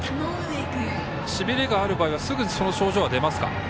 しびれがある場合はすぐに症状出ますか。